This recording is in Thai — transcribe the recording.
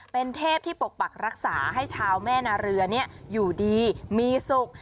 เป็นเทพที่ปกปักรักษาให้ชาวแม่นาเรืออยู่ดีมีสุข